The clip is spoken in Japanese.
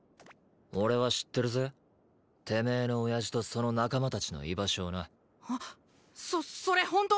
俺は知ってるぜてめえの親父とその仲間達の居場所をなそそれ本当？